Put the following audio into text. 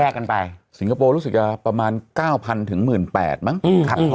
แยกกันไปสิงคโปร์ลูกสิทธิ์ฯอะประมาณเก้าพันถึงหมื่นแปดบ้างอืมครับ